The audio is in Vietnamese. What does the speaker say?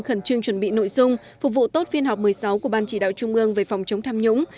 khẩn trương chuẩn bị nội dung phục vụ tốt phiên họp một mươi sáu của ban chỉ đạo trung ương về phòng chống tham nhũng